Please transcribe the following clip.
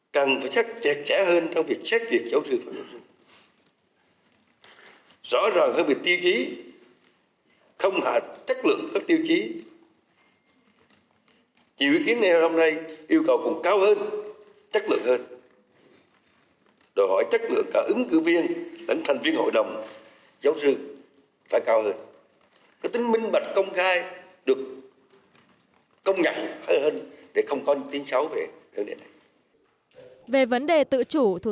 cần phải chặt chẽ hơn trong việc xét duyệt giáo sư phó giáo sư